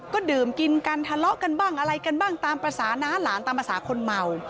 ก็ดื่มกินกันทะเลาะกันบ้างอะไรกันบ้างตามภาษาน้าหลานตามภาษาคนเมา